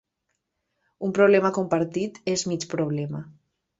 Un problema compartit és mig problema.